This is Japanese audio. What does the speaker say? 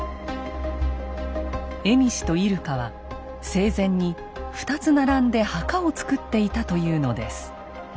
蝦夷と入鹿は生前に２つ並んで墓をつくっていたというのです。